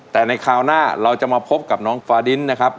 แต่ในคราวหน้าเราจะมาพบกับน้องฟาดินนะครับ